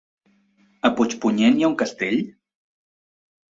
A Puigpunyent hi ha un castell?